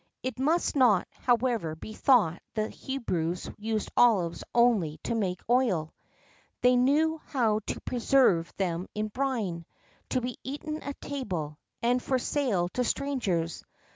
[XII 17] It must not, however, be thought the Hebrews used olives only to make oil; they knew how to preserve them in brine, to be eaten at table, and for sale to strangers.